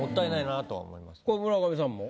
これ村上さんも？